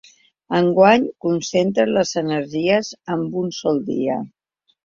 Enguany concentrem les energies en un sol dia.